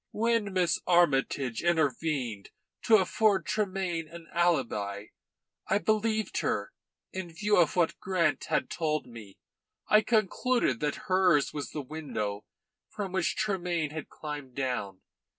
"When Miss Armytage intervened to afford Tremayne an alibi, I believed her, in view of what Grant had told me; I concluded that hers was the window from which Tremayne had climbed down.